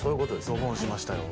ドボンしましたよ。